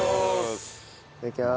いただきます。